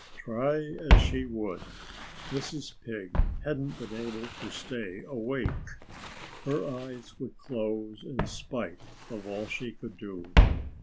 Try as she would, Mrs. Pig hadn't been able to stay awake. Her eyes would close, in spite of all she could do.